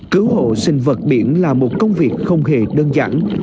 cứu hộ sinh vật biển là một công việc không hề đơn giản